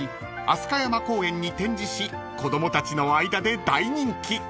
飛鳥山公園に展示し子供たちの間で大人気］